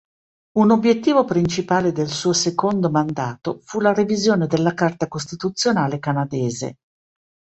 Un obiettivo principale del suo secondo mandato fu la revisione della carta costituzionale canadese.